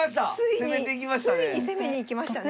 攻めていきましたね。